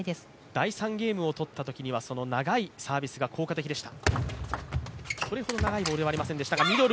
第３ゲームを取ったときにはその長いサービスが効果的でした。